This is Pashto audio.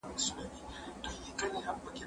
هغه وويل چي ليک مهم دی.